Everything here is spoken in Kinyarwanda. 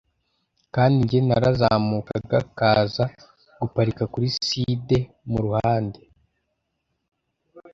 kandi nge narazamukaga kaza guparika kuri side mu ruhande